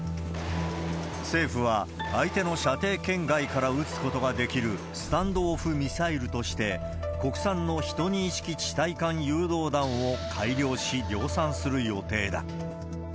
政府は、相手の射程圏外から撃つことができるスタンドオフミサイルとして、国産の１２式地対艦誘導弾を改良し、量産する予定だ。